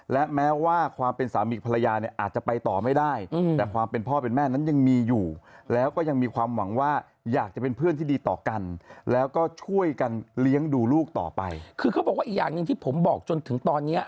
คือเขาบอกว่าอีกอย่างหนึ่งที่ผมบอกจนถึงตอนนี้